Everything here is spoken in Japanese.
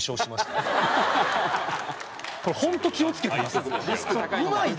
これ本当気を付けてください。